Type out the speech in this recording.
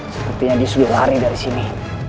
sepertinya dia sudah lari dari sini